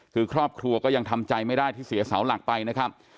คือครอบครัวก็ยังทำใจไม่ได้ที่เสียเสาหลักไปนะครับ